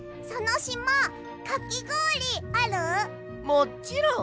もちろん。